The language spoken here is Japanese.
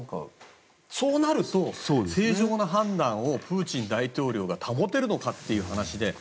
そうなると正常な判断をプーチン大統領が保てるのかという話で。